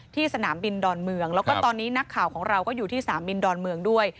สนามบินดอนเมืองแล้วก็ตอนนี้นักข่าวของเราก็อยู่ที่สนามบินดอนเมืองด้วย